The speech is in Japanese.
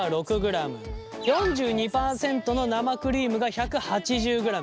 ４２％の生クリームが１８０ｇ。